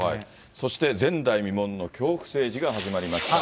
そして前代未聞の恐怖政治が始まりました。